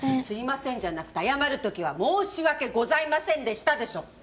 すいませんじゃなくて謝る時は申し訳ございませんでしたでしょ。